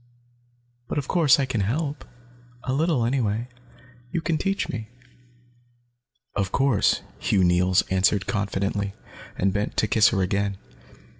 "But of course, I can help, a little anyway. You can teach me." "Of course," Hugh Neils answered confidently, and bent to kiss her again.